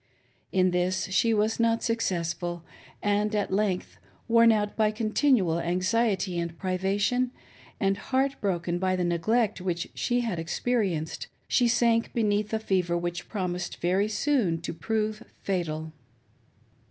In this she was not successful ; and at length, worn out by continual anxiety and privation, and heart broken by the neglect which she had experienced, she sank beneath a fever which promised very soon to prove fatal.